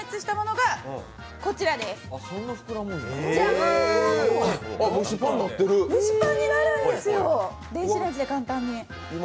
蒸しパンになるんですよ、電子レンジで簡単に。